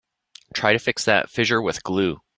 Try to fix that fissure with glue.